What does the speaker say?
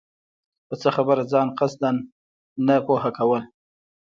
په څۀ خبره ځان قصداً نۀ پوهه كول